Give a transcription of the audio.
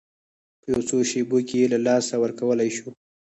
په یو څو شېبو کې یې له لاسه ورکولی شو.